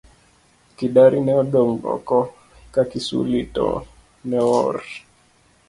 Kidari ne odong' oko ka Kisuli to ne oor.